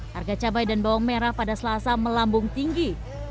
harga cabai dan bawang merah pada selasa melambung tinggi